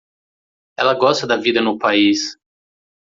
Ela gosta da vida no país